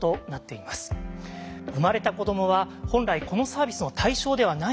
生まれた子どもは本来このサービスの対象ではないとも捉えられます。